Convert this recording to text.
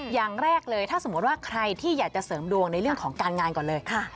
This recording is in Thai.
อย่างแรกเลยถ้าสมมติว่าใครที่อยากจะเสริมดวงในเรื่องของการงานก่อนเลย